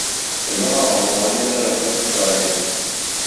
di meha Remezanê de rehmet dibare.